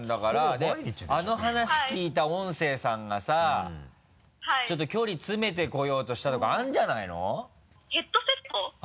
であの話聞いた音声さんがさちょっと距離詰めて来ようとしたとかあるんじゃないの？